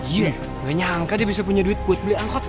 iya gak nyangka dia bisa punya duit buat beli angkot